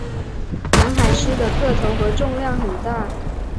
南海狮的个头和重量很大。